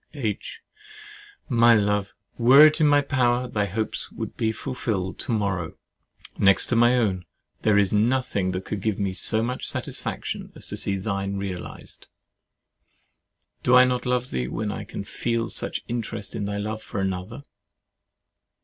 H. My love! were it in my power, thy hopes should be fulfilled to morrow. Next to my own, there is nothing that could give me so much satisfaction as to see thine realized! Do I not love thee, when I can feel such an interest in thy love for another?